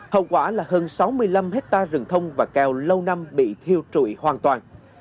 hậu quả là hơn sáu mươi năm hectare rừng thông và kèo lâu năm bị thiêu trụi hoàn toàn